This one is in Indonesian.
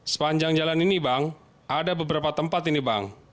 sepanjang jalan ini bang ada beberapa tempat ini bang